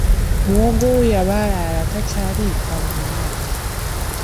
Muwogo wo yabaalaala takyaliika munnange.